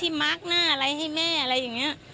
มาร์คหน้าอะไรให้แม่อะไรอย่างนี้